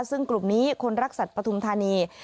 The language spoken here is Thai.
ซึ่งกลุ่มนี้คนรักสัตว์ปฐุมธานี